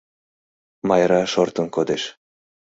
Майра шортын кодеш.